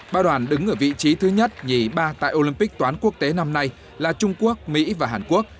ba đoàn đứng ở vị trí thứ nhất nhì ba tại olympic toán quốc tế năm nay là trung quốc mỹ và hàn quốc